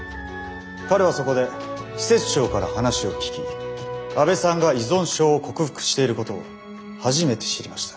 彼はそこで施設長から話を聞き阿部さんが依存症を克服していることを初めて知りました。